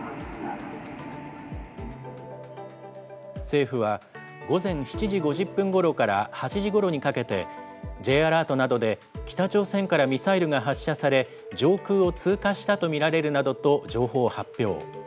政府は、午前７時５０分ごろから８時ごろにかけて、Ｊアラートなどで北朝鮮からミサイルが発射され、上空を通過したと見られるなどと情報を発表。